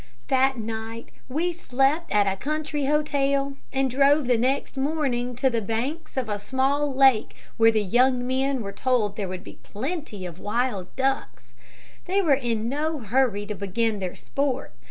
"That night we slept at a country hotel, and drove the next morning to the banks of a small lake where the young men were told there would be plenty of wild ducks. They were in no hurry to begin their sport.